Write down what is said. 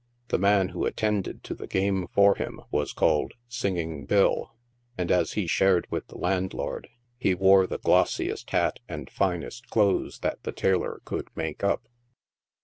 The man who attended to the game for him was called " Singing Bill," and, as he shared with the landlord, he wore the glossiest hat and finest clothes that the tailor could make up.